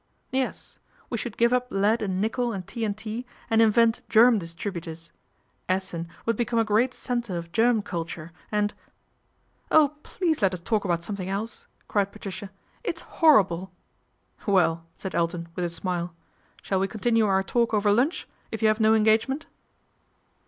' Yes ; we should give up lead and nickel and T.N.T., and invent germ distributors. Essen would become a great centre of germ culture, and " "Oh ! please let us talk about something else," cried Patricia. " It's horrible !"" Well !" said Elton with a smile, " shall we continue our talk over lunch, if you have no engagement